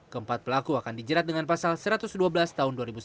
keempat pelaku akan dijerat dengan pasal satu ratus dua belas tahun dua ribu sembilan belas